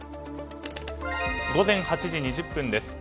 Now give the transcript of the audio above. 午前８時２０分です。